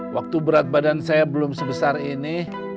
waktu berat badan saya belum sebesar ini